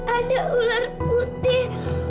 ada ular putih